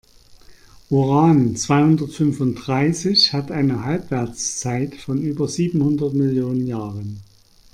Uran-zweihundertfünfunddreißig hat eine Halbwertszeit von über siebenhundert Millionen Jahren.